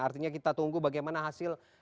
artinya kita tunggu bagaimana hasil